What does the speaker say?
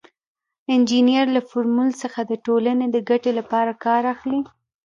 انجینر له فورمول څخه د ټولنې د ګټې لپاره کار اخلي.